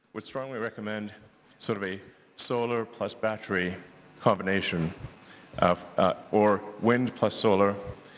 saya sangat menyarankan pergabungan solar dan baterai atau wind plus solar